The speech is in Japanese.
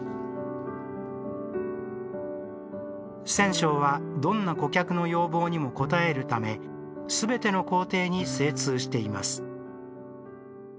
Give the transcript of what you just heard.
染匠は、どんな顧客の要望にも応えるためすべての工程に精通しています。